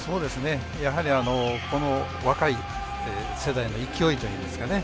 やはり、この若い世代の勢いというんですかね。